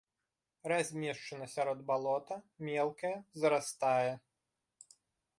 Размешчана сярод балота, мелкае, зарастае.